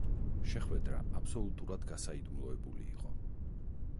შეხვედრა აბსოლუტურად გასაიდუმლოებული იყო.